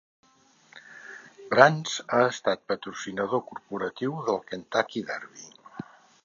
Brands ha estat patrocinador corporatiu del Kentucky Derby.